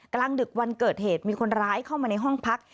กลางดึกวันเกิดเหตุมีคนร้ายเข้ามาในห้องพัก